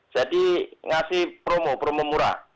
jadi ngasih promo promo murah